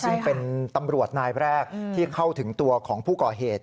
ซึ่งเป็นตำรวจนายแรกที่เข้าถึงตัวของผู้ก่อเหตุ